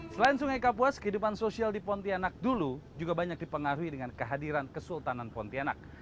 selain sungai kapuas kehidupan sosial di pontianak dulu juga banyak dipengaruhi dengan kehadiran kesultanan pontianak